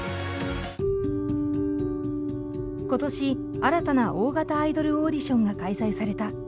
今年新たな大型アイドルオーディションが開催された。